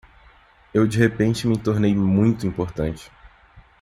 Eu de repente me tornei muito importante.